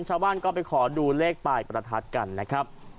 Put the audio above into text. ชาวบ้านก็ไปขอดูเลขปลายประทัดกันนะครับ